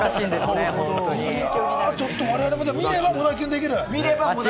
我々も見れば、もだキュンできる？